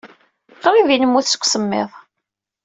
Qrib ay nemmut seg usemmiḍ.